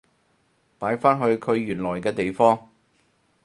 擺返去佢原來嘅地方